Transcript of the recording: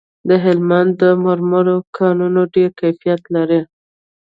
د هلمند د مرمرو کانونه ډیر کیفیت لري